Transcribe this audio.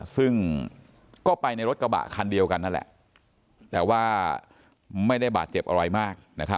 ซึ่งก็ไปในรถกระบะคันเดียวกันนั่นแหละแต่ว่าไม่ได้บาดเจ็บอะไรมาก